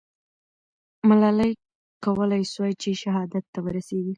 ملالۍ کولای سوای چې شهادت ته ورسېږي.